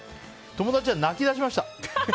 友達は泣き出しました。